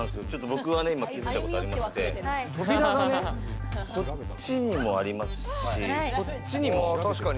僕はね、今、気づいたことありまして、扉がね、こっちにもありますし、こっちにも。